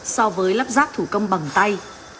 so với lắp rác thủ công bằng tay